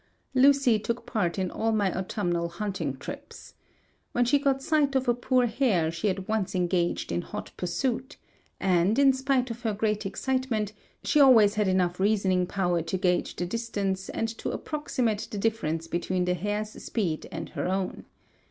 Lucy took part in all my autumnal hunting trips. When she got sight of a poor hare she at once engaged in hot pursuit, and, in spite of her great excitement, she always had enough reasoning power to gauge the distance and to approximate the difference between the hare's speed and her own.